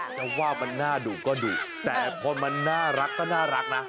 จะว่ามันน่าดุก็ดุแต่พอมันน่ารักก็น่ารักนะ